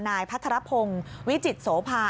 นายพัทธารพงศ์วิจิษฐศระพา